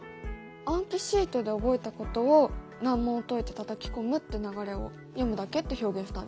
暗記シートで覚えたことを難問を解いてたたき込むって流れを「読むだけ」って表現したんじゃない？